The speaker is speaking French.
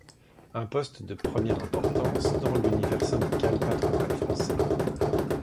Un poste de première importance dans l'univers syndical patronal français.